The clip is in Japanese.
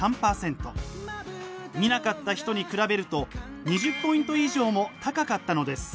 見なかった人に比べると２０ポイント以上も高かったのです。